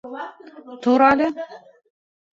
Тор әле!